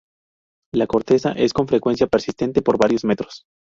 La corteza es con frecuencia persistente por varios metros.